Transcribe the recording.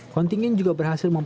kontingen juga berhasil memperoleh